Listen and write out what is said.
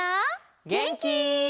げんき？